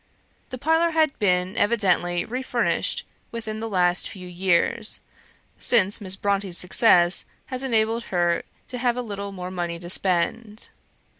The parlour had been evidently refurnished within the last few years, since Miss Brontë's success has enabled her to have a little more money to spend.